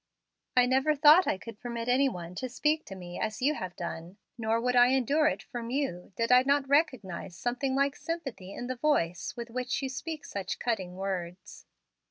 "I never thought I could permit any one to speak to me as you have done, nor would I endure it from you, did I not recognize something like sympathy in the voice with which you speak such cutting words.